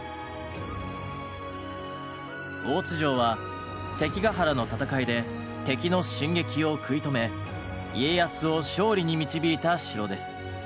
大津城は関ヶ原の戦いで敵の進撃を食い止め家康を勝利に導いた城です。